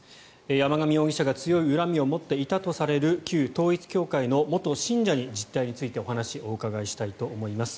山上容疑者が強い恨みを持っていたとされる旧統一教会の元信者に実態についてお話をお伺いしたいと思います。